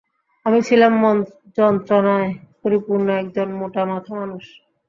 আমি ছিলাম যন্ত্রনায় পরিপূর্ণ একজন মোটা মাথা মানুষ।